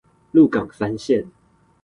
鹿港三線